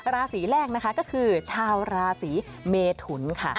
ราศีแรกนะคะก็คือชาวราศีเมทุนค่ะ